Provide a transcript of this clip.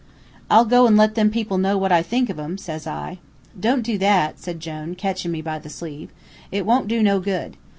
"'I'll go an' let them people know what I think of 'em,' says I. "'Don't do that,' said Jone, catchin' me by the sleeve. 'It wont do no good.